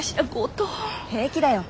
平気だよ。